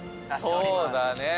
そうだね。